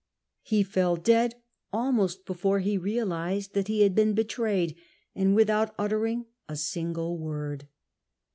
He fell dead almost before he realised that he had been betrayed, and without uttering a single word.